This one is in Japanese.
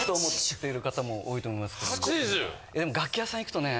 楽器屋さん行くとね。